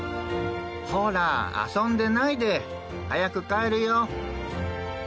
ほら、遊んでないで早く帰るよ！